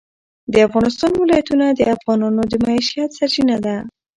د افغانستان ولايتونه د افغانانو د معیشت سرچینه ده.